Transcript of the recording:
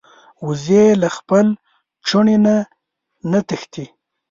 وزې له خپل چوڼي نه نه تښتي